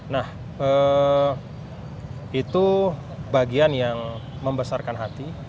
nah itu bagian yang membesarkan hati